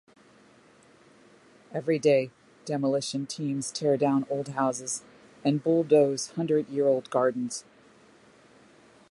Every day, demolition teams tear down old houses and bulldoze hundred-year-old gardens.